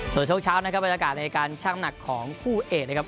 ส่วนช่วงเช้านะครับบรรยากาศในการชั่งหนักของคู่เอกนะครับ